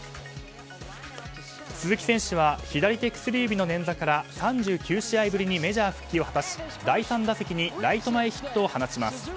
鈴木選手は左手薬指の捻挫から３９試合ぶりにメジャー復帰を果たし第３打席にライト前ヒットを放ちます。